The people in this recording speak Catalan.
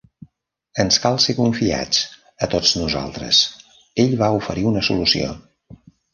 Ens cal ser confiats, a tots nosaltres. Ell va oferir una solució.